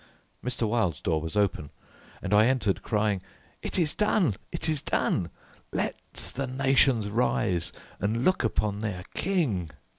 Mr. Wilde's door was open, and I entered crying, "It is done, it is done! Let the nations rise and look upon their King!"